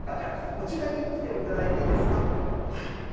こちらに来ていただいていいですか。